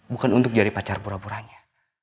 bukan untuk jadi pacar pura puranya